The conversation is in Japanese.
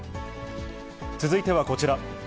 続いてはこちら。